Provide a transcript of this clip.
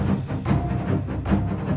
lo menjadikan dis alumni